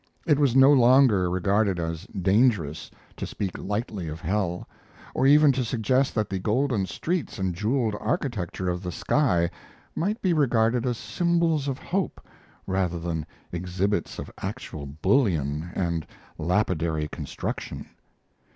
It was no longer regarded as dangerous to speak lightly of hell, or even to suggest that the golden streets and jeweled architecture of the sky might be regarded as symbols of hope rather than exhibits of actual bullion and lapidary construction.